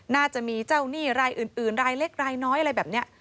น่าจะมีเจ้าหนี้รายอื่นรายเล็กรายน้อยอะไรแบบนี้